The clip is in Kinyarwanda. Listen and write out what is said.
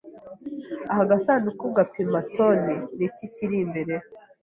Aka gasanduku gapima toni. Ni iki kiri imbere?